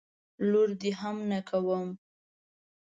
لور دي هم نه کوم.